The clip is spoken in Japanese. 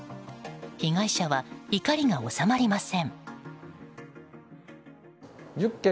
被害者は怒りが収まりません。